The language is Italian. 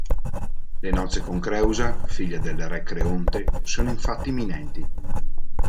Le nozze con Creusa, figlia del re Creonte, sono infatti imminenti.